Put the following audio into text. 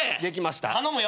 できました。